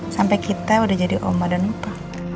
sampai kita udah jadi oma dan lupa